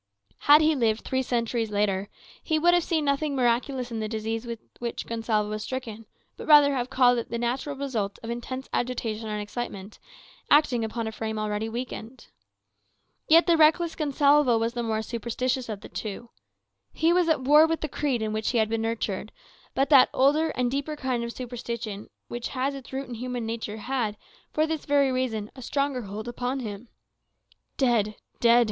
Had he lived three centuries later, he would have seen nothing miraculous in the disease with which Gonsalvo was stricken, but rather have called it the natural result of intense agitation and excitement, acting upon a frame already weakened. Yet the reckless Gonsalvo was the more superstitious of the two. He was at war with the creed in which he had been nurtured; but that older and deeper kind of superstition which has its root in human nature had, for this very reason, a stronger hold upon him. "Dead dead!"